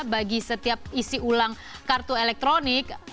bagi setiap isi ulang kartu elektronik